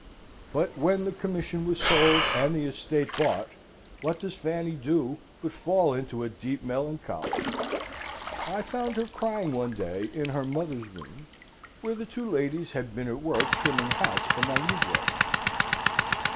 "But when the commission was sold, and the estate bought, what does Fanny do but fall into a deep melancholy? I found her crying one day, in her mother's room, where the two ladies had been at work trimming hats for my negroes.